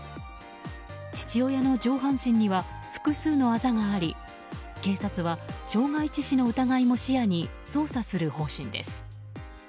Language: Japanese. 父親の上半身には複数のあざがあり警察は傷害致死の疑いも視野に捜査する方針です。